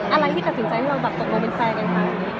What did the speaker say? อะไรที่ตัดสินใจให้เราแบบตกลงเป็นแฟนกันคะ